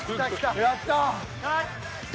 やった！